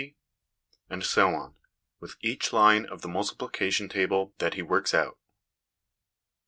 And so on, with each line of the multiplication table that he works out.